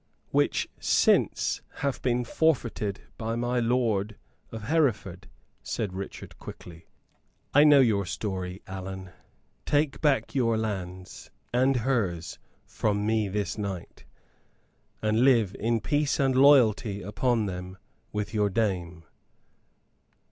"Which since hath been forfeited by my lord of Hereford," said Richard, quickly. "I know your story, Allan. Take back your lands and hers from me this night, and live in peace and loyalty upon them with your dame.